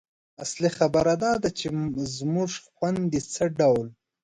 اصلي خبره دا ده چې زموږ خویندې څه ډول